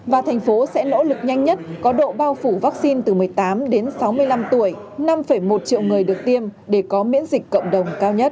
và thành phố sẽ nỗ lực nhanh nhất có độ bao phủ vaccine từ một mươi tám đến sáu mươi năm tuổi năm một triệu người được tiêm để có miễn dịch cộng đồng cao nhất